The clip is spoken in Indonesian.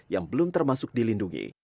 yang belum termasuk dilindungi